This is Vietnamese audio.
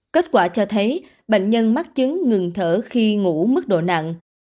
kết quả cho thấy bệnh nhân mắc chứng ngừng thở khi ngủ mức độ nặng